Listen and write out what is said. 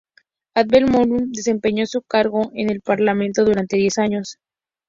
Abdel Mahmoud desempeñó su cargo en el Parlamento durante diez años.